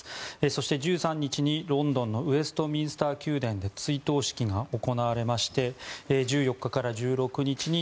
そして、１３日にロンドンのウェストミンスター宮殿で追悼式が行われまして１４日から１６日に